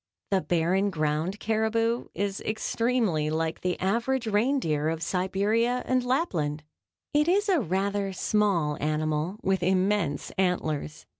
The barren ground caribou is extremely like the average reindeer of Siberia and Lapland. It is a rather small animal with immense antlers.